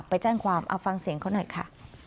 ไปแจ้งความเอาฟังเสียงเขาหน่อยค่ะ